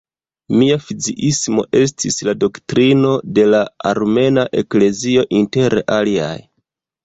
Miafiziismo estis la doktrino de la Armena Eklezio inter aliaj.